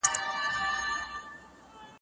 مایکروویف د برس ویښتان زیانمنوي.